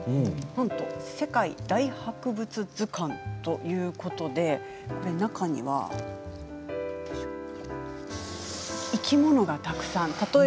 「世界大博物図鑑」ということで中には生き物がたくさん。